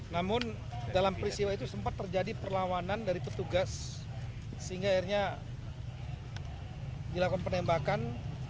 namun dalam peristiwa itu sempat terjadi perlawanan dari petugas sehingga akhirnya dilakukan penembakan